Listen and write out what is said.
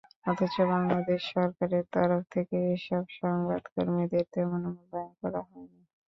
অথচ বাংলাদেশ সরকারের তরফ থেকে এসব সংবাদকর্মীদের তেমন মূল্যায়ন করা হয়নি।